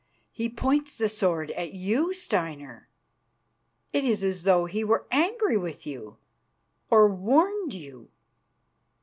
He points the sword at you, Steinar. It is as though he were angry with you, or warned you."